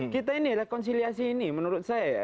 kita ini rekonsiliasi ini menurut saya